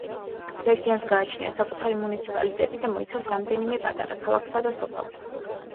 რეგიონს გააჩნია საკუთარი მუნიციპალიტეტი და მოიცავს რამდენიმე პატარა ქალაქსა და სოფელს.